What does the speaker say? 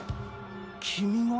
君が？